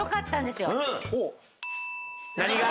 何が？